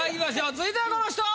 続いてはこの人。